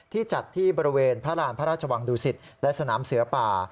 จัดที่บริเวณพระราณพระราชวังดุสิตและสนามเสือป่า